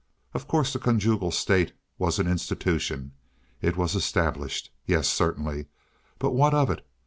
Of course the conjugal state was an institution. It was established. Yes, certainly. But what of it?